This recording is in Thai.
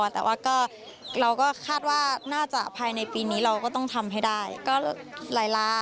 แต่ว่าเราก็คาดว่าน่าจะภายในปีนี้เราก็ต้องทำให้ได้ก็หลายล้าน